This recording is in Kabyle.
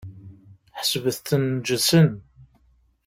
Ḥesbet-ten neǧsen.